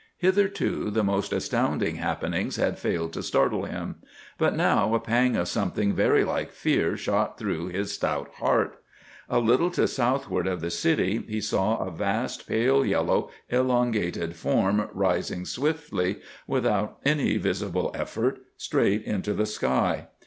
Hitherto the most astounding happenings had failed to startle him, but now a pang of something very like fear shot through his stout heart. A little to southward of the city he saw a vast pale yellow elongated form rising swiftly, without any visible effort, straight into the sky.